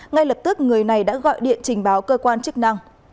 ngay lập tức người này đã gọi điện trình báo cơ quan chức năng